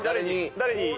誰に？